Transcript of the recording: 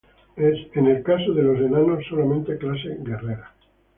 En el caso de los enanos solamente clase guerrera.